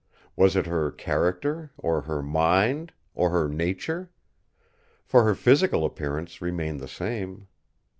Was it her character, or her mind, or her nature? for her physical appearance remained the same.